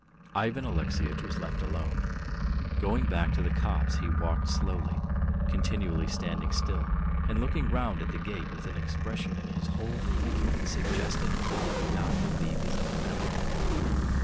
Ivan Alexeyitch was left alone. Going back to the copse, he walked slowly, continually standing still and looking round at the gate with an expression in his whole figure that suggested that he could not believe his own memory.